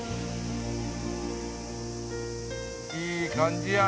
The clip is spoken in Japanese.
いい感じや。